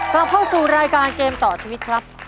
กลับเข้าสู่รายการเกมต่อชีวิตครับ